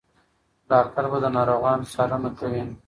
ډاکټر به د ناروغانو څارنه کوي.